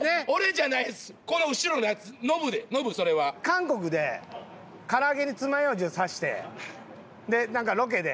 韓国で唐揚げにつまようじを刺してなんかロケで。